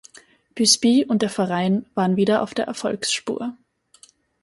Busby und der Verein waren wieder auf der Erfolgsspur.